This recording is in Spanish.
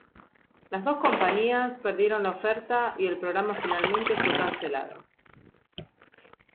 Las dos compañías perdieron la oferta y el programa finalmente fue cancelado.